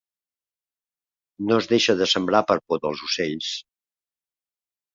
No es deixa de sembrar per por dels ocells.